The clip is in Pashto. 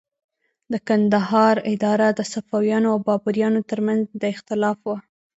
د کندهار اداره د صفویانو او بابریانو تر منځ د اختلاف وه.